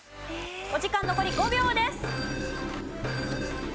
お時間残り５秒です。